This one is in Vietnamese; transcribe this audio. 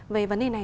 về vấn đề này